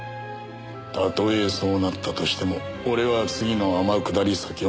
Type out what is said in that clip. たとえそうなったとしても俺は次の天下り先を待つ。